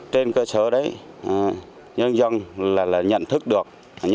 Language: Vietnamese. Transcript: trên cơ sở đấy nhân dân là nhận thức được